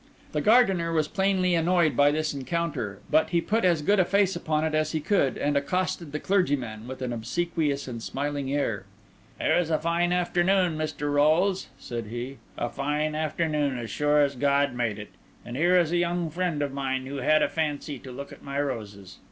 The gardener was plainly annoyed by this encounter; but he put as good a face upon it as he could, and accosted the clergyman with an obsequious and smiling air. "Here is a fine afternoon, Mr. Rolles," said he: "a fine afternoon, as sure as God made it! And here is a young friend of mine who had a fancy to look at my roses.